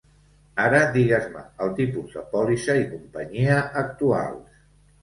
Ara digues-me el tipus de pòlissa i companyia actuals.